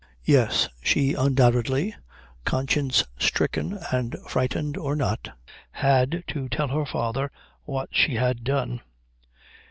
Yet she undoubtedly, conscience stricken and frightened or not, had to tell her father what she had done.